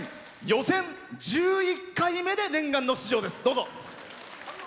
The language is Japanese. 予選１１回目で念願の出場です。